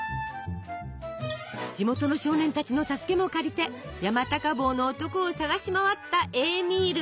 地元の少年たちの助けも借りて山高帽の男を捜し回ったエーミール。